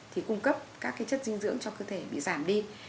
thì cung cấp các chất dinh dưỡng cho cơ thể bị giảm đi